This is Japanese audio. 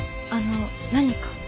あの何か？